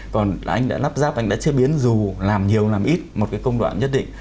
còn là anh đã lắp ráp anh đã chế biến dù làm nhiều làm ít một cái công đoạn nhất định